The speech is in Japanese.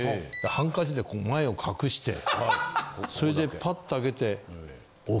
ハンカチでこう前を隠してそれでパッとあけて。